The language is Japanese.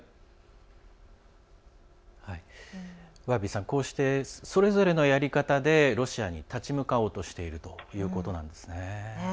バービーさんこうして、それぞれのやり方でロシアに立ち向かおうとしているということなんですね。